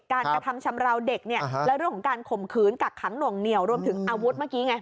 กระทำชำราวเด็กเนี่ยแล้วเรื่องของการข่มขืนกักขังหน่วงเหนียวรวมถึงอาวุธเมื่อกี้ไง